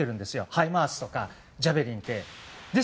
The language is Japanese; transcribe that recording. ハイマースとかジャベリンって。